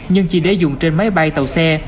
nhưng chỉ để dùng trên máy bay tàu xe